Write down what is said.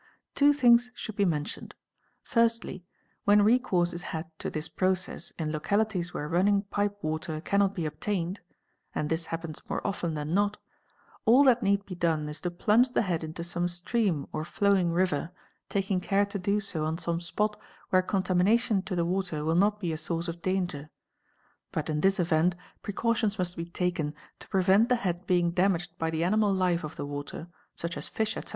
Two things should be » mentioned: firstly, when recourse is had to this process in localities where running pipe water cannot be obtained (and this happens more often than not), all that need be done is to plunge the head into some stream or flowing river, taking care to do so on some spot where con tamination to the water will not be a source of danger ; but in this event xrecautions must be taken to prevent the head being damaged by the nimal life of the water (such as fish, etc.